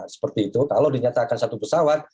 seperti itu kalau dinyatakan satu pesawat